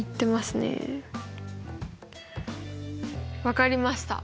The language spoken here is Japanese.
分かりました。